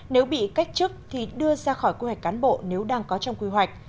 nếu bị cách chức thì đưa ra khỏi quy hoạch cán bộ nếu đang có trong quy hoạch